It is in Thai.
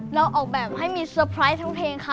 ออกแบบให้มีเซอร์ไพรส์ทั้งเพลงค่ะ